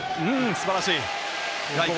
素晴らしい。